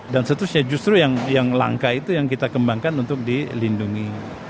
dan seterusnya justru yang langka itu yang kita kembangkan untuk dilindungi